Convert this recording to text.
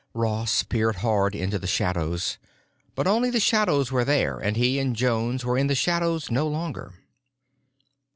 Ross peered hard into the shadows. But only the shadows were there, and then he and Jones were in the shadows no longer.